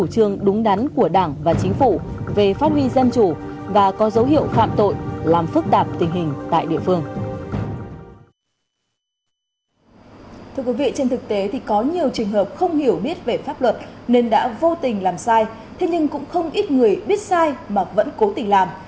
thưa quý vị trên thực tế thì có nhiều trường hợp không hiểu biết về pháp luật nên đã vô tình làm sai thế nhưng cũng không ít người biết sai mà vẫn cố tình làm